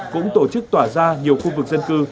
cũng tổ chức tỏa ra nhiều khu vực dân cư